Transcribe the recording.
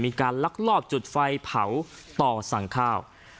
ลักลอบจุดไฟเผาต่อสั่งข้าว